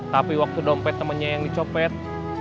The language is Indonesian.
tapi waktu dompet temennya yang dicopet